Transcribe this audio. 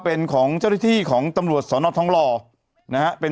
เป็นของเจ้าหน้าที่ของตำรวจสอนอทองหล่อนะฮะเป็น